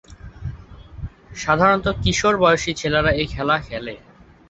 সাধারণত কিশোর বয়সী ছেলেরা এই খেলা খেলে।